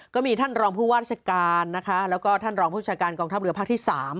ก็มีท่านรองผู้ว่าราชการนะคะแล้วก็ท่านรองผู้จัดการกองทัพเรือภาคที่๓